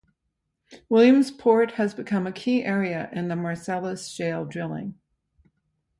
Williamsport has become a key area in the Marcellus Shale drilling.